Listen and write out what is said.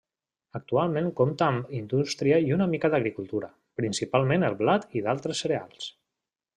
Actualment compta amb indústria i una mica d'agricultura, principalment el blat i d'altres cereals.